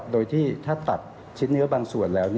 โดยที่ถ้าตัดชิ้นเนื้อบางส่วนแล้ว